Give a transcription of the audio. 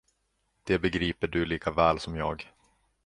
Det begriper du lika väl som jag.